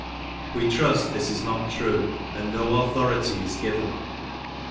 "' We trust this is not true, and no authority is given.